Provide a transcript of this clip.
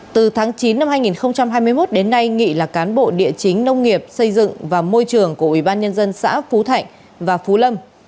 năm hai nghìn hai mươi một đến nay nghị là cán bộ địa chính nông nghiệp xây dựng và môi trường của ubnd xã phú thạnh và phú lâm